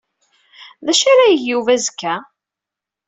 D acu ara yeg Yuba azekka?